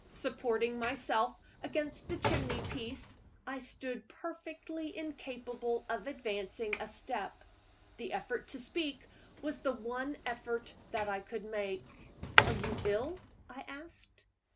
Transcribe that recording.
Supporting myself against the chimney piece, I stood perfectly incapable of advancing a step. The effort to speak was the one effort that I could make. "Are you ill?" I asked.